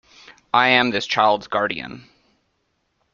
I am this child's guardian.